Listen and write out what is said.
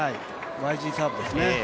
ＹＧサーブですね。